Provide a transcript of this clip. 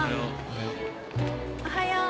おはよう。